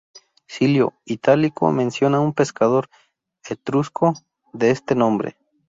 Silio Itálico menciona a un pescador etrusco de este nombre.